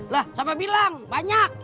lah siapa bilang banyak